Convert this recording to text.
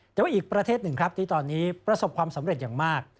แต่ว่าอีกประเทศหนึ่งครับที่ตอนนี้ประสบความสำเร็จอย่างมาก